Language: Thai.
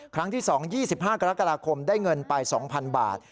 ครั้งที่๒๒๕กรกฎาคมได้เงินไป๒๐๐๐บาท